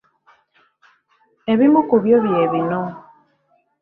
Ebimu ku byo bye bino.